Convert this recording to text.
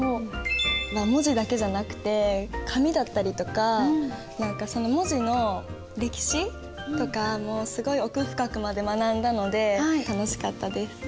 文字だけじゃなくて紙だったりとかその文字の歴史とかすごい奥深くまで学んだので楽しかったです。